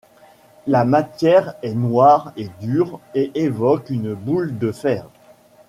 La matière est noire et dure et évoque une boule de fer.